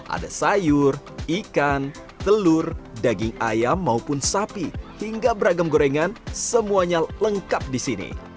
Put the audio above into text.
ada sayur ikan telur daging ayam maupun sapi hingga beragam gorengan semuanya lengkap di sini